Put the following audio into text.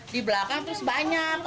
di belakang terus banyak